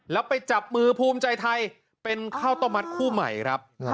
แล้วไปจับมือภูมิใจไทยเป็นข้าวต้มมัดคู่ใหม่ครับ